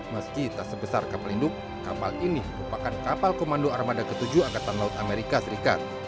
meski tak sebesar kapal induk kapal ini merupakan kapal komando armada ke tujuh angkatan laut amerika serikat